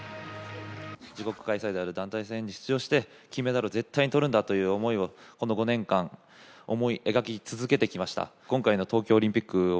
自国開催である団体戦に出場して、金メダルを絶対に取るんだという思いを、この５年間、思い描き続けてきました。